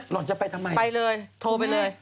ห่อนจะไปทำไมไปเลยโทรไปเลย